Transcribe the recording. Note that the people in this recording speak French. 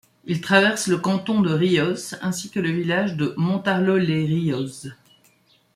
Il traverse le canton de Rioz ainsi que le village de Montarlot-lès-Rioz.